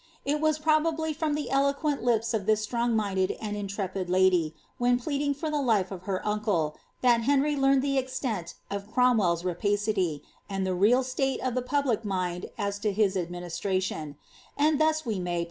It was probably from ihe eloquent lips of this stronff mincled and intrepid lady, wlicn pleading for the life of her uncle, that Henry learned the extent of Cromwell's rapacity, and the real state of the public mind as to his admmistration ; and thus we may.